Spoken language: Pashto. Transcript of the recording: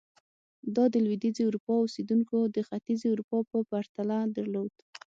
دا د لوېدیځې اروپا اوسېدونکو د ختیځې اروپا په پرتله درلود.